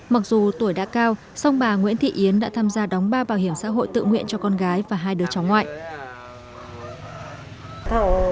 mặc dù tuổi đã cao song bà nguyễn thị yến đã tham gia đóng bảo hiểm xã hội xã hội tự nguyện